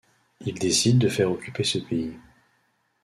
Il décide de faire occuper ce pays.